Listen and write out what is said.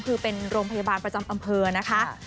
คือเป็นโรงพยาบาลประจำอำเภอนะคะ